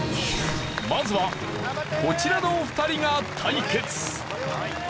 まずはこちらの２人が対決！